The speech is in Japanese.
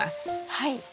はい。